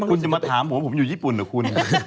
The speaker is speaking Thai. คุณจะมาถามผมว่าผมอยู่ญี่ปุ่นหรือคุณ